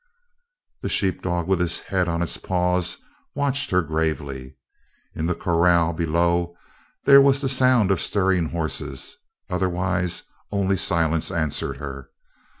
The sheep dog with his head on his paws watched her gravely. In the corral below there was the sound of stirring horses; otherwise only silence answered her.